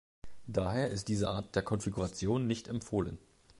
Daher ist diese Art der Konfiguration nicht empfohlen.